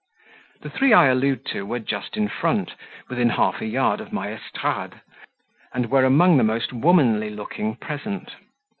The three I allude to were just in front, within half a yard of my estrade, and were among the most womanly looking present.